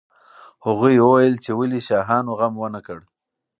هغوی وویل چې ولې شاهانو غم ونه کړ.